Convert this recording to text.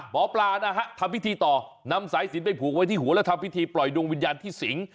หมอปลานะฮะทำพิธีต่อนำสายสินไปผูกไว้ที่หัวแล้วทำพิธีปล่อยดวงวิญญาณที่สิง